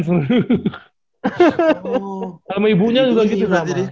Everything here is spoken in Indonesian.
sama ibunya juga gitu